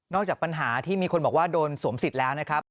จากปัญหาที่มีคนบอกว่าโดนสวมสิทธิ์แล้วนะครับ